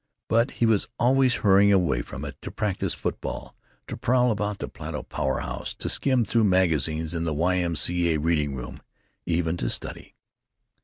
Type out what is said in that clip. But he was always hurrying away from it to practise football, to prowl about the Plato power house, to skim through magazines in the Y. M. C. A. reading room, even to study.